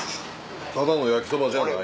ただの焼きそばじゃない。